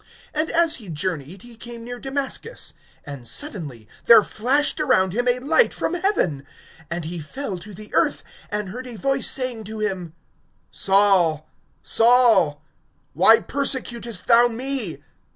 (3)And as he journeyed, he came near Damascus. And suddenly there flashed around him a light from heaven; (4)and he fell to the earth, and heard a voice saying to him: Saul, Saul, why persecutest thou me?